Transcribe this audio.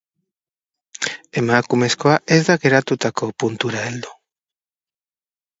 Emakumezkoa ez da geratutako puntura heldu.